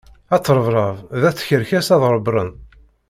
At rrebrab d at tkerkas ad ɛebbṛen.